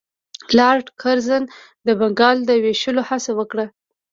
لارډ کرزن د بنګال د ویشلو هڅه وکړه.